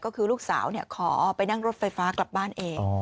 ก็คือลูกสาวขอไปนั่งรถไฟฟ้ากลับบ้านเอง